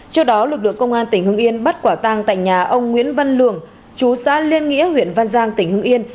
trước đó lực lượng công an tỉnh hưng yên bắt quả tang tại nhà ông nguyễn văn lường chú xã liên nghĩa huyện văn giang tỉnh hưng yên